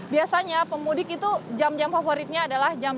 biasanya pemudik itu jam jam favoritnya adalah jam jam